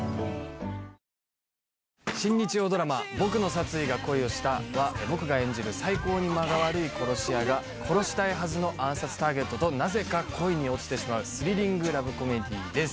ここで残念ながら僕が演じる最高に間が悪い殺し屋が殺したいはずの暗殺ターゲットとなぜか恋に落ちてしまうスリリングラブコメディーです。